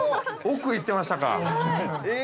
億、行ってましたか。